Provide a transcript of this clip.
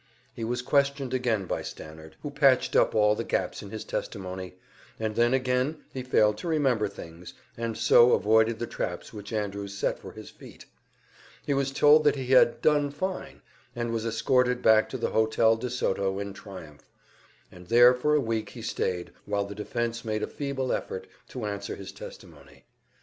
He was questioned again by Stannard, who patched up all the gaps in his testimony, and then again he failed to remember things, and so avoided the traps which Andrews set for his feet. He was told that he had "done fine," and was escorted back to the Hotel de Soto in triumph, and there for a week he stayed while the defense made a feeble effort to answer his testimony.